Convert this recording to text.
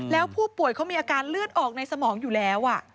แล้วผู้ป่วยเขามีอาการเลือดออกในสมองอยู่แล้ว